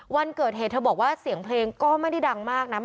วันเกิดเหตุเธอบอกว่าเสียงเพลงก็ไม่ได้ดังมากนะ